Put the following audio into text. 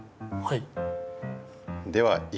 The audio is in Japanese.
はい。